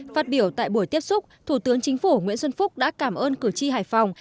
phát biểu tại buổi tiếp xúc thủ tướng chính phủ nguyễn xuân phúc đã cảm ơn cử tri hải phòng